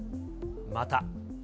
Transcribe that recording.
また。